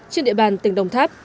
trên địa bàn tỉnh đồng tháp